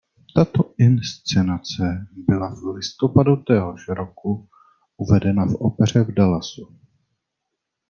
Tato inscenace byla v listopadu téhož roku uvedena v opeře v Dallasu.